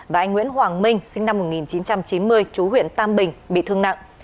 và anh nguyễn hoàng minh sinh năm một nghìn chín trăm chín mươi chú huyện tam bình bị thương nặng